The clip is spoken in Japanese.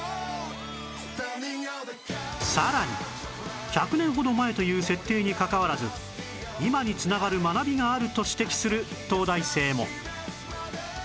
さらに１００年ほど前という設定にかかわらず今に繋がる学びがあると指摘する東大生も